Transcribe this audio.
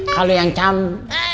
kalau yang campur